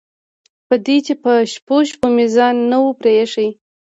په دې چې په شپو شپو مې ځان نه و پرېښی.